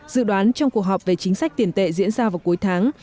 dự đoán trong cuộc họp về chính sách tiền tệ diễn ra vào cuối tháng